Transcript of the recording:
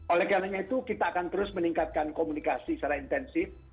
oleh karena itu kita akan terus meningkatkan komunikasi secara intensif